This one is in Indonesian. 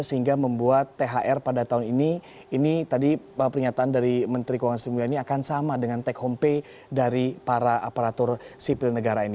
sehingga membuat thr pada tahun ini ini tadi pernyataan dari menteri keuangan sri mulyani akan sama dengan take home pay dari para aparatur sipil negara ini